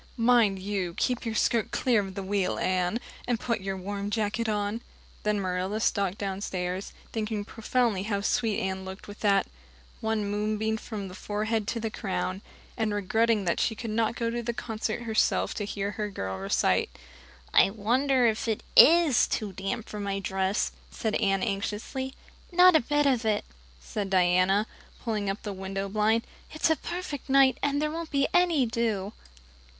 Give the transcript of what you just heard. Mind you keep your skirt clear of the wheel, Anne, and put your warm jacket on." Then Marilla stalked downstairs, thinking proudly how sweet Anne looked, with that "One moonbeam from the forehead to the crown" and regretting that she could not go to the concert herself to hear her girl recite. "I wonder if it is too damp for my dress," said Anne anxiously. "Not a bit of it," said Diana, pulling up the window blind. "It's a perfect night, and there won't be any dew.